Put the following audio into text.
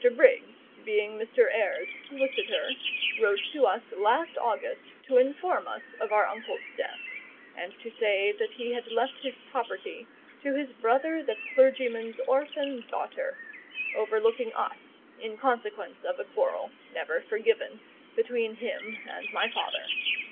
Briggs, being Mr. Eyre's solicitor, wrote to us last August to inform us of our uncle's death, and to say that he had left his property to his brother the clergyman's orphan daughter, overlooking us, in consequence of a quarrel, never forgiven, between him and my father.